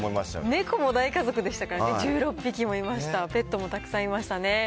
猫も大家族でしたからね、１６匹もいました、ペットもたくさんいましたね。